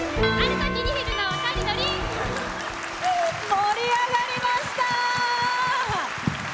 盛り上がりました！